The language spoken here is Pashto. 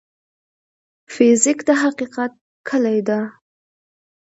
فزیک د حقیقت کلي ده.